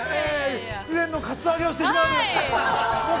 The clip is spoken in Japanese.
出演のカツアゲをしてしまうという。